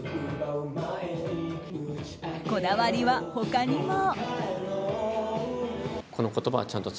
こだわりは他にも。